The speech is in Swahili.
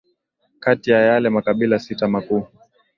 kati ya yale makabila sita makuu